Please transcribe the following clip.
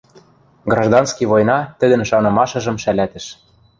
Гражданский война тӹдӹн шанымашыжым шӓлӓтӹш.